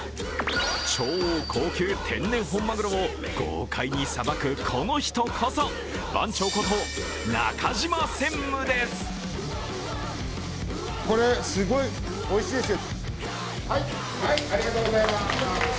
超高級天然本マグロを豪快にさばくこの人こそ番長こと、中島専務です。